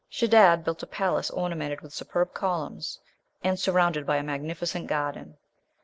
Shedad built a palace ornamented with superb columns, and surrounded by a magnificent garden.